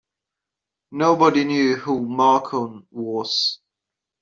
Nobody knew who Malcolm was.